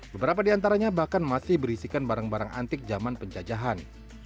beberapa di antaranya bahkan masih berisikan barang barang antik zaman penjajahan